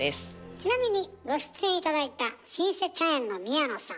ちなみにご出演頂いた老舗茶園の宮野さん。